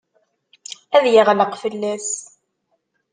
Ad yeɣleq fell-as.